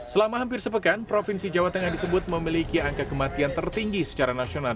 selama hampir sepekan provinsi jawa tengah disebut memiliki angka kematian tertinggi secara nasional